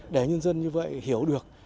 để nhân dân như vậy hiểu được